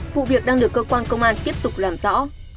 vụ việc đang được cơ quan công an tiếp tục làm rõ